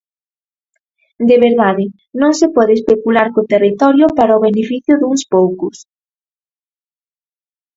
De verdade, non se pode especular co territorio para o beneficio duns poucos.